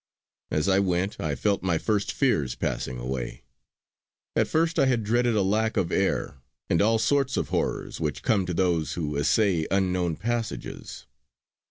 As I went, I felt my first fears passing away. At first I had dreaded a lack of air, and all sorts of horrors which come to those who essay unknown passages.